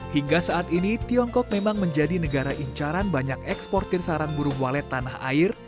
hingga saat ini tiongkok memang menjadi negara incaran banyak eksportir sarang burung walet tanah air